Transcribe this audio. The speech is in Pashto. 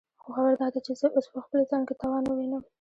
خو خبره داده چې زه اوس په خپل ځان کې توان نه وينم.